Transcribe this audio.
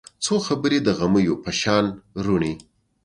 څو خبرې د غمیو په شان روڼې